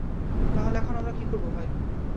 তাহলে এখন আমরা কী করব, ভাই?